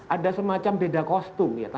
ada semacam beda kostum